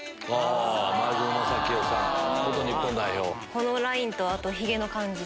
このラインとヒゲの感じ。